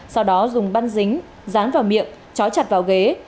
sau đó dùng băn dính dán vào miệng chói chặt vào ghế